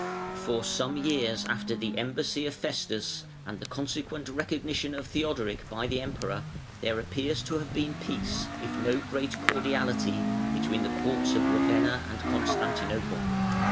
] For some years after the embassy of Festus (497) and the consequent recognition of Theodoric by the Emperor, there appears to have been peace, if no great cordiality, between the courts of Ravenna and Constantinople.